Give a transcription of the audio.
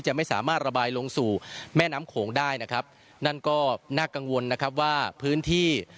จะไม่สามารถระบายลงสู่แม่น้ำโขงได้นะครับนั่นก็น่ากังวลนะครับว่าพื้นที่